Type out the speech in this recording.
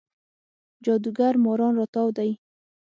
جادوګر ماران راتاو دی